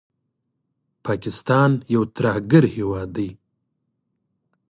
پاکستان یو ترهګر هیواد دي